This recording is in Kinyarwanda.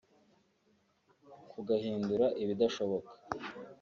kugahindura ibidashoboka